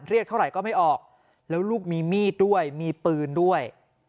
เรียกเท่าไหร่ก็ไม่ออกแล้วลูกมีมีดด้วยมีปืนด้วย